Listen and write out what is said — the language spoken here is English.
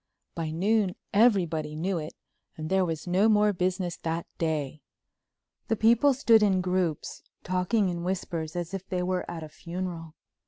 By noon everybody knew it and there was no more business that day. The people stood in groups, talking in whispers as if they were at a funeral.